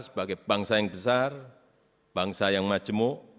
sebagai bangsa yang besar bangsa yang majemuk